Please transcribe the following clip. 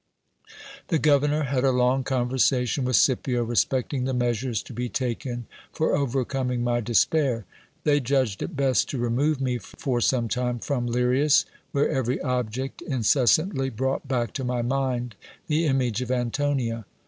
The governor had a long conversation with Scipio respecting the measures to be taken for overcoming my despair. They judged it best to remove me for some time from Lirias, where every object incessantly brought back to my mind the image of Antonia.